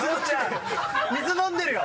水飲んでるよ。